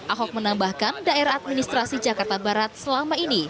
ahok menambahkan daerah administrasi jakarta barat selama ini